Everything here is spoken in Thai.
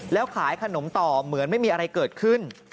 แล้วขายขนมต่อเหมือนไม่มีอะไรเกิดขึ้น